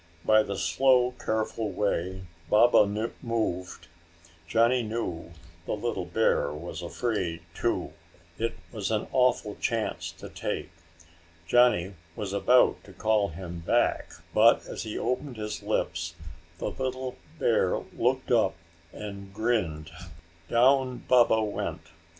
By the slow careful way Baba moved, Johnny knew the little bear was afraid, too. It was an awful chance to take. Johnny was about to call him back, but as he opened his lips, the little bear looked up and grinned. Down Baba went.